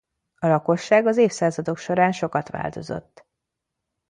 A lakosság az évszázadok során sokat változott.